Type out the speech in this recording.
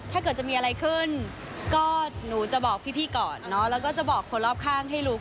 ถ้าเกิดจะมีอะไรขึ้นก็หนูจะบอกพี่ก่อนเนาะ